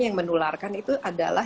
yang menularkan itu adalah